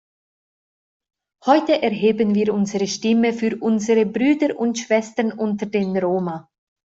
Heute erheben wir unsere Stimme für unsere Brüder und Schwestern unter den Roma.